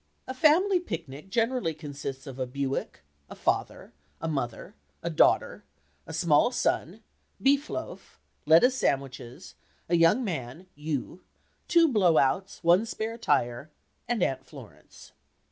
A "family picnic" generally consists of a Buick, a father, a mother, a daughter, a small son, beef loaf, lettuce sandwiches, a young man (you), two blow outs, one spare tire, and Aunt Florence.